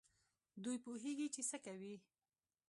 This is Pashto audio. دوی پوهېږي چي څه کوي.